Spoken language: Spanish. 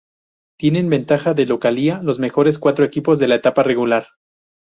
Tienen ventaja de localía los mejores cuatro equipos de la etapa regular.